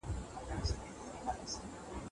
دي، چي د هيواد ټول قومونه پکښي شامل دي.